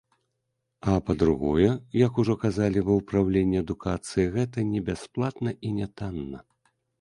А па-другое, як ужо казалі ва ўпраўленні адукацыі, гэта не бясплатна і нятанна.